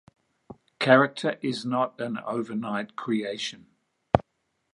Character is not an overnight creation.